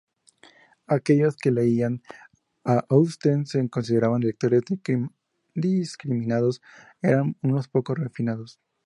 Aquellos que leían a Austen se consideraban lectores discriminados—eran unos pocos refinados.